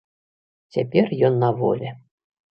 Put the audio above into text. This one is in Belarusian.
Цяпер ён на волі.